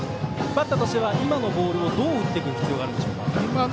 バッターとしては今のボール、どう打っていく必要があるでしょう。